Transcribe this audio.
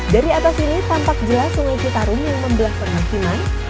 dari atas ini tampak jelas sungai citarum yang membelah permukiman